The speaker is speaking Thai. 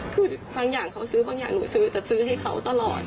คือบางอย่างเขาซื้อบางอย่างหนูซื้อแต่ซื้อให้เขาตลอด